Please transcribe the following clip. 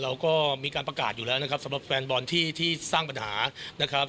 เราก็มีการประกาศอยู่แล้วนะครับสำหรับแฟนบอลที่สร้างปัญหานะครับ